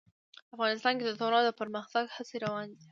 افغانستان کې د تنوع د پرمختګ هڅې روانې دي.